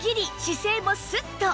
姿勢もスッと！